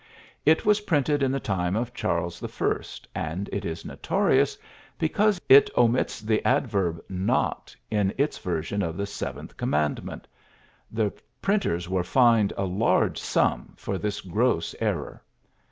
It was printed in the time of Charles I., and it is notorious because it omits the adverb "not" in its version of the seventh commandment; the printers were fined a large sum for this gross error.